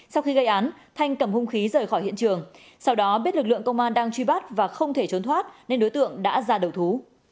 sau khi gây án thanh cầm hung khí rời khỏi hiện trường sau đó biết lực lượng công an đang truy bắt và không thể trốn thoát nên đối tượng đã ra đầu thú